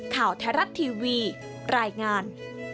ข่าวไทยรัฐทีวีรายงาน